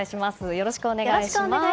よろしくお願いします。